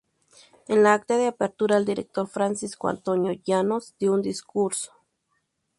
En la acta de apertura, el director Francisco Antonio Llanos dió un discurso.